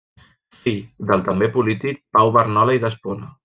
Fill del també polític Pau Barnola i d'Espona.